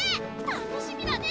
楽しみだね！